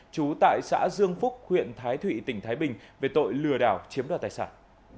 trú tại xã dương phúc huyện thái thụy tỉnh thái bình về tội lừa đảo chiếm đoạt tài sản